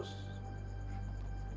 saya tidak mengurus